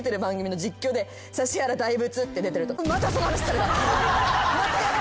「指原大仏」って出てると。